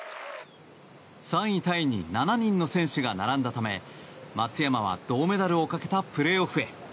３位タイに７人の選手が並んだため松山は銅メダルをかけたプレーオフへ。